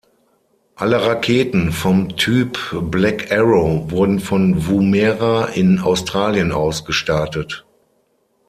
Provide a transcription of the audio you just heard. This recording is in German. Alle Raketen vom Typ Black Arrow wurden von Woomera in Australien aus gestartet.